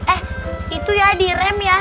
eh itu ya direm ya